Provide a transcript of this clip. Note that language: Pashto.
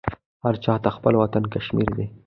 هرچاته خپل وطن کشمیردی